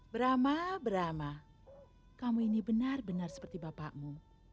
brahma brahma kamu ini benar benar seperti bapakmu